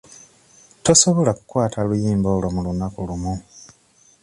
Tosobola kukwata luyimba olwo mu lunaku lumu.